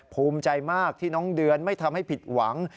ภูมิใจมากที่น้องเดือนไม่ทำให้ผิดหวัง